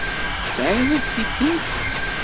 Tesεiḍ tikent?